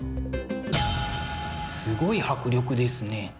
すごい迫力ですね。